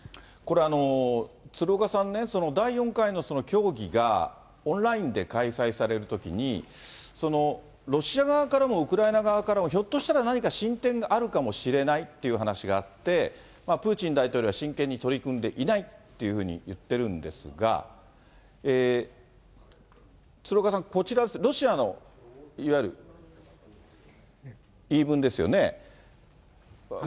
これ、鶴岡さんね、第４回の協議がオンラインで開催されるときに、ロシア側からもウクライナ側からも、ひょっとしたら何か進展があるかもしれないっていう話があって、プーチン大統領は真剣に取り組んでいないっていうふうに言ってるんですが、鶴岡さん、こちら、ロシアのいわゆる言い分ですよね。